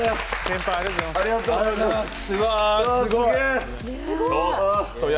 先輩、ありがとうございます